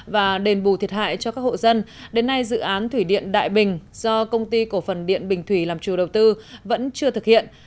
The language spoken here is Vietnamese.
và đền bù thiệt hại cho các hộ dân đến nay dự án thủy điện đại bình do công ty cổ phần điện bình thủy làm chủ đầu tư vẫn chưa thực hiện